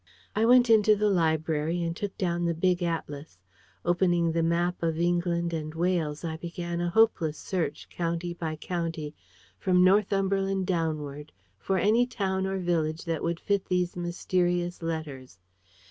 I went into the library and took down the big atlas. Opening the map of England and Wales, I began a hopeless search, county by county, from Northumberland downward, for any town or village that would fit these mysterious letters.